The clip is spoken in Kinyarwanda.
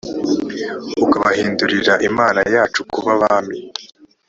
ukabahindurira imana yacu kuba abami